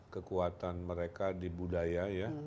kekuatan mereka di budaya ya